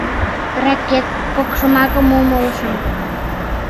Ракет! — кок шомакым умылышым.